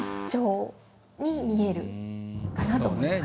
かなと思います。